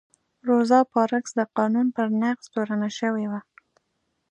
روزا پارکس د قانون پر نقض تورنه شوې وه.